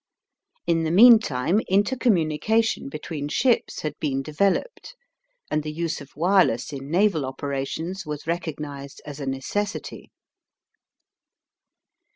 In the meantime intercommunication between ships had been developed and the use of wireless in naval operations was recognized as a necessity.